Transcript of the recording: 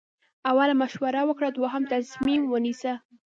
اول مشوره وکړه دوهم تصمیم ونیسه.